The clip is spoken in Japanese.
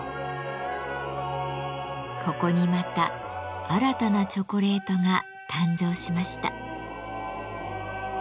ここにまた新たなチョコレートが誕生しました。